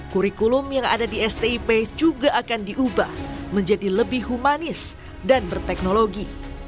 kurikulum yang ada di stip juga akan diubah menjadi lebih humanis dan berteknologi